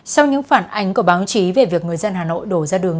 sau những phản ánh của báo chí về việc người dân hà nội đổ ra đường